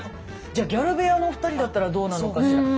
じゃギャル部屋のお二人だったらどうなのかしら？